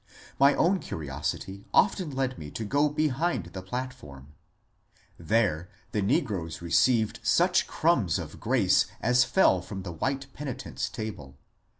My own curiosity often led me to go behind the platform : there the negroes received such crumbs of grace as fell from the white penitents' table.